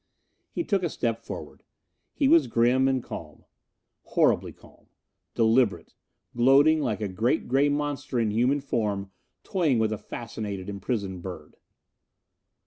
He took a step forward. He was grim and calm. Horribly calm. Deliberate. Gloating like a great gray monster in human form toying with a fascinated, imprisoned bird.